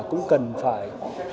cũng cần phải